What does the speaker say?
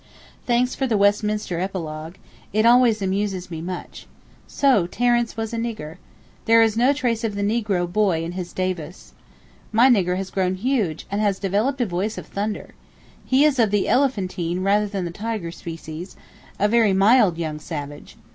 Thanks for the Westminster epilogue; it always amuses me much. So Terence was a nigger. There is no trace of the negro 'boy' in his Davus. My nigger has grown huge, and has developed a voice of thunder. He is of the elephantine rather than the tiger species, a very mild young savage.